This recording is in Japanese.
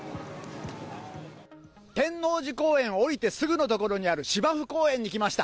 天王寺公園を下りてすぐの所にある芝生公園に来ました。